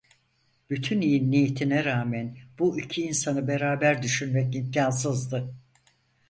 Bütün iyi niyetine rağmen, bu iki insanı beraber düşünmek imkânsızdı.